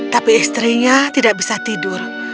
tapi istrinya tidak bisa tidur